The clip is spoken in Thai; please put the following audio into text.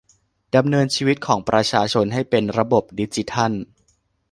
ดำเนินชีวิตของประชาชนให้เป็นระบบดิจิทัล